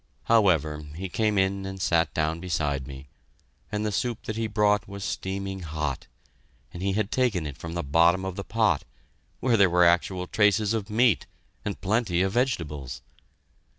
However, he came in and sat down beside me, and the soup that he brought was steaming hot, and he had taken it from the bottom of the pot, where there were actual traces of meat and plenty of vegetables.